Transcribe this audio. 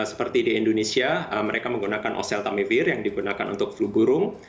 seperti di indonesia mereka menggunakan oseltamivir yang digunakan untuk flu burung